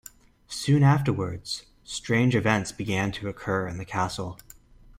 Soon afterwards, strange events began to occur in the castle.